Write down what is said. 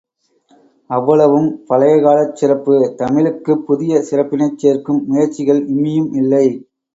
அவ்வளவும் பழையகாலச் சிறப்பு, தமிழுக்குப் புதிய சிறப்பினைச் சேர்க்கும் முயற்சிகள் இம்மியும் இல்லை.